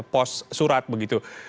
post surat begitu